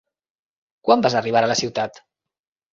Quan vas arribar a la ciutat?